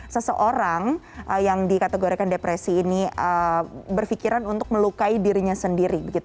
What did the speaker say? seseorang yang dikategorikan depresi ini berpikiran untuk melukai dirinya sendiri